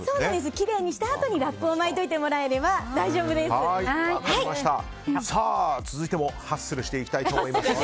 きれいにしたあとにラップを巻いておいてもらえれば続いてもハッスルしていきたいと思います。